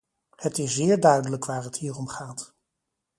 Het is zeer duidelijk waar het hier om gaat.